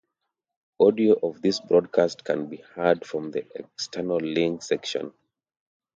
Audio of this broadcast can be heard from the external links section.